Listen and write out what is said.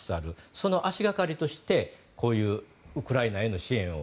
その足掛かりとしてこういうウクライナへの支援